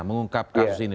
mengungkap kasus ini